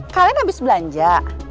kalian habis belanja